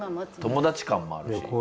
友達感もあるし。